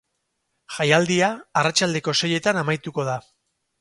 Jaialdia arratsaldeko seietan amaituko da.